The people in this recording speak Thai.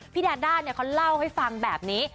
ดาด้าเขาเล่าให้ฟังแบบนี้